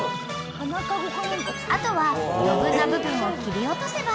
［あとは余分な部分を切り落とせば］